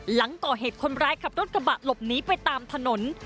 หลังก่อเหตุคนร้ายขับรถกระบะหลบหนีไปตามถนน